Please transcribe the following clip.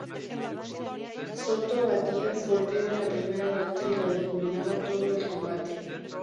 Soto a Díaz golpeó en la primera vuelta y lo dominaba todo el combate.